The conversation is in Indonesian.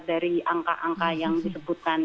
dari angka angka yang disebutkan